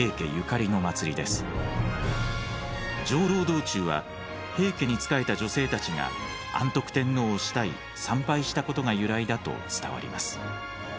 道中は平家に仕えた女性たちが安徳天皇を慕い参拝したことが由来だと伝わります。